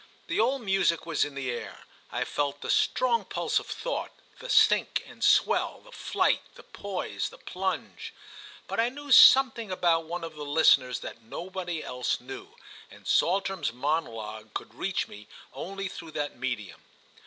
The old music was in the air; I felt the strong pulse of thought, the sink and swell, the flight, the poise, the plunge; but I knew something about one of the listeners that nobody else knew, and Saltram's monologue could reach me only through that medium.